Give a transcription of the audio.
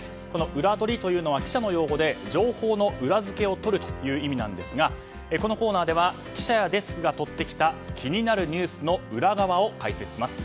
ウラどりとは記者の用語で情報の裏付けを取るという意味なんですがこのコーナーでは記者やデスクがとってきた気になるニュースの裏側を解説します。